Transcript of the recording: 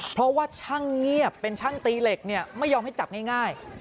เพราะว่าช่างเงียบเป็นช่างตีเหล็กเนี่ยไม่ยอมให้จับง่าย